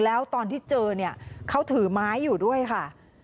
แล้วตอนที่เจอเนี่ยเขาถือไม้อยู่ด้วยค่ะ